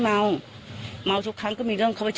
ผมว่ามาวมาวทุกครั้งก็มีเรื่องเขาเป็นต่อ